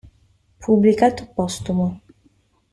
Pubblicato postumo.